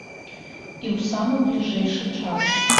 І ў самы бліжэйшы час.